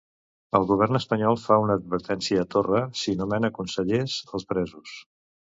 El govern espanyol fa una advertència a Torra si nomena consellers els presos.